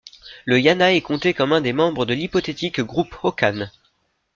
Le yana est compté comme un des membres de l'hypothétique groupe hokan.